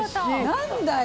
何だよ！